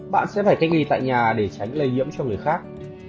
bạn sẽ phải cách ly tại nhà để tránh lây nhiễm cho người khác